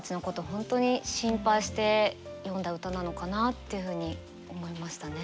本当に心配して詠んだ歌なのかなっていうふうに思いましたね。